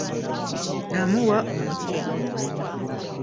Naamuwa omuti .